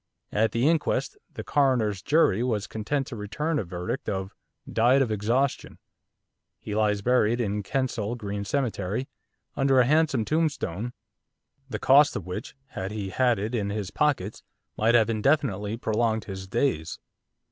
At the inquest the coroner's jury was content to return a verdict of 'Died of exhaustion.' He lies buried in Kensal Green Cemetery, under a handsome tombstone, the cost of which, had he had it in his pockets, might have indefinitely prolonged his days.